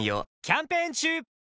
キャンペーン中！